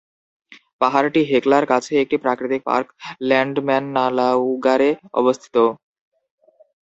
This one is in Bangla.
পাহাড়টি হেকলার কাছে একটি প্রাকৃতিক পার্ক ল্যান্ডম্যাননালাউগারে অবস্থিত।